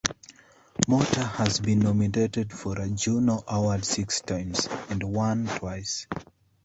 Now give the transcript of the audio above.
Motter has been nominated for a Juno Award six times, and won twice.